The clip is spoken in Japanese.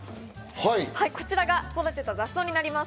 こちらが育てた雑草になります。